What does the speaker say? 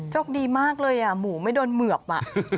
โชคดีมากเลยหมูไม่โดนเหมือบ